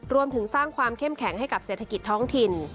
รวมถึงสร้างความเข้มแข็งให้กับเศรษฐกิจท้องถิ่น